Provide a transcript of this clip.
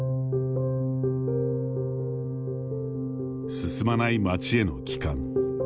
進まない町への帰還。